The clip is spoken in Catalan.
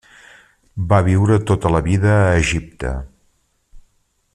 Va viure tota la vida a Egipte.